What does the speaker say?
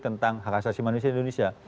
tentang hak asasi manusia di indonesia